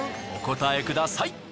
お答えください。